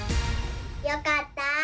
よかった！